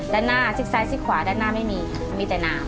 ด้านหน้าซิกซ้ายซิกขวาด้านหน้าไม่มีมีแต่น้ำ